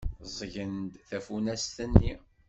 Ẓẓgen tafunast-nni.